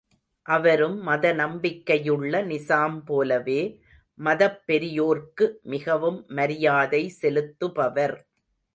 அவரும் மத நம்பிக்கையுள்ள நிசாம் போலவே, மதப்பெரியோர்க்கு மிகவும் மரியாதை செலுத்துபவர்.